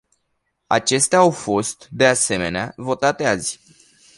Acestea au fost, de asemenea, votate azi.